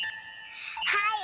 はい！